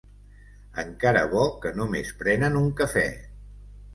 Encara bo que només prenen un cafè.